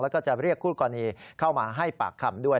แล้วก็จะเรียกคู่กรณีเข้ามาให้ปากคำด้วย